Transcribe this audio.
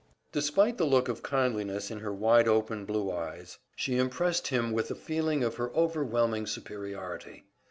Despite the look of kindliness in her wide open blue eyes, she impressed him with a feeling of her overwhelming superiority.